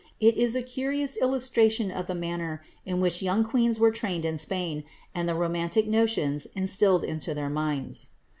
It is a curious ilius izition of tlie manner in which young queens were trained in Spain, and the romantic notions instilled into their minds.